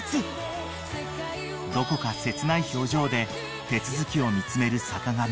［どこか切ない表情で手続きを見つめる坂上］